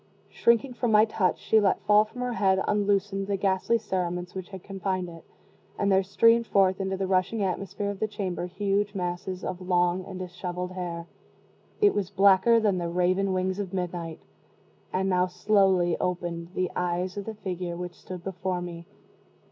Shrinking from my touch, she let fall from her head, unloosened, the ghastly cerements which had confined it, and there streamed forth into the rushing atmosphere of the chamber huge masses of long and disheveled hair; it was blacker than the raven wings of midnight. And now slowly opened the eyes of the figure which stood before me.